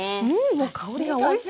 もう香りがおいしい！